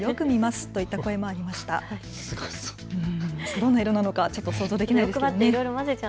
どんな色なのか想像できないですね。